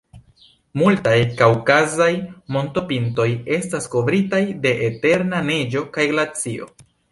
Multaj kaŭkazaj montopintoj estas kovritaj de eterna neĝo kaj glacio.